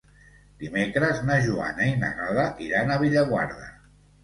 Dimecres na Joana i na Gal·la iran a Bellaguarda.